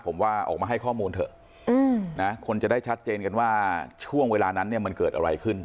ผมว่าออกมาให้ข้อมูลเถอะนะคนจะได้ชัดเจนกันว่าช่วงเวลานั้นเนี่ยมันเกิดอะไรขึ้น